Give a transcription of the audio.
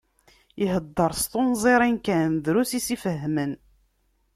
Ihedder s tunẓirin kan, drus i s-ifehhmen.